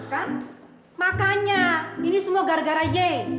kan makanya ini semua gara gara y